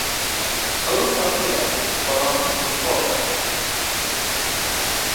ئەو فەقیرە، بەڵام دڵخۆشە.